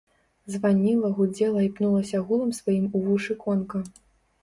Званіла, гудзела і пнулася гулам сваім у вушы конка.